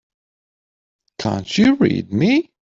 Can't you read me?